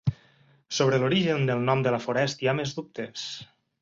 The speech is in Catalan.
Sobre l'origen del nom de la forest hi ha més dubtes.